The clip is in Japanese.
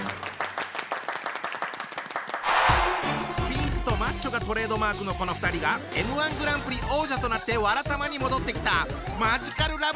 ピンクとマッチョがトレードマークのこの２人がＭ−１グランプリ王者となって「わらたま」に戻ってきた！